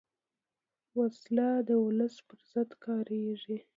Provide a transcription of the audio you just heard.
وسله د ولس پر ضد کارېږي